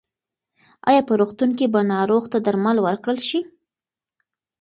ایا په روغتون کې به ناروغ ته درمل ورکړل شي؟